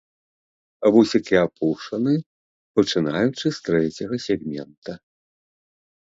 Вусікі апушаны пачынаючы з трэцяга сегмента.